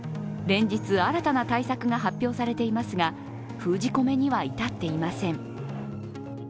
連日、新たな対策が発表されていますが、封じ込めには至っていません。